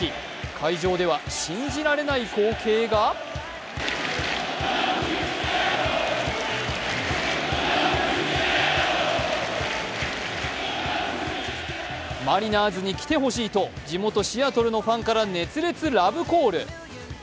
会場では、信じられない光景がマリナーズに来てほしいと地元シアトルのファンから熱烈ラブコール。